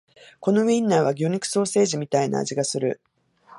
このウインナーは魚肉ソーセージみたいな味がする